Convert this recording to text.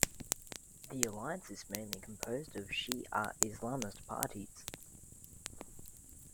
The Alliance is mainly composed of Shi'a Islamist parties.